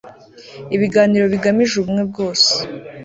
ibiganiro bigamije ubumwe bwose